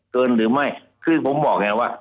เกินหรือไม่คือผมบอกอย่างนี้ว่า